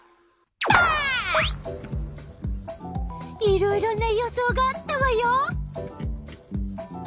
いろいろな予想があったわよ。